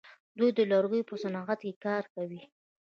دوی د لرګیو په صنعت کې کار کوي.